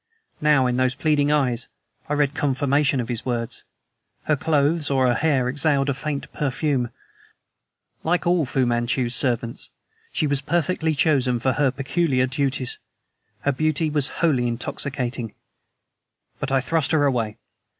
Now, in those pleading eyes I read confirmation of his words. Her clothes or her hair exhaled a faint perfume. Like all Fu Manchu's servants, she was perfectly chosen for her peculiar duties. Her beauty was wholly intoxicating. But I thrust her away.